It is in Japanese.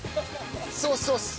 ソースソース。